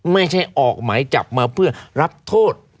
ไม่ใช่ออกหมายจับมาเพื่อรับโทษ